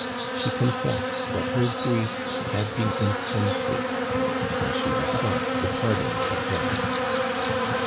She confessed that her grief had been insensate, and she besought the pardon of God.